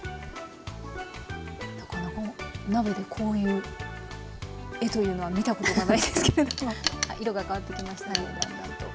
なかなかお鍋でこういう絵というのは見たことがないですけれども色が変わってきました。